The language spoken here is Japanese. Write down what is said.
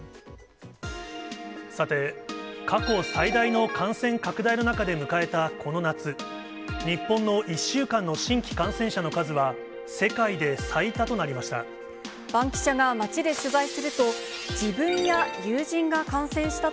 さて、過去最大の感染拡大の中で迎えたこの夏、日本の１週間の新規感染者の数は、世界で最多となりました。